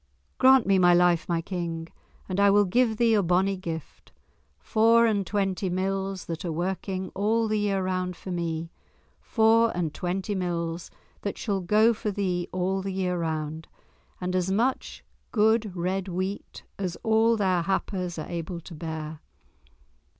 "Grant me my life, my King, and I will give thee a bonnie gift—four and twenty mills that are working all the year round for me—four and twenty mills that shall go for thee all the year round, and as much good red wheat as all their happers are able to bear."